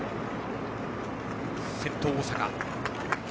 先頭、大阪。